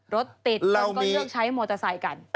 รถติดเราก็เลือกใช้มอเตอร์ไซค์กัน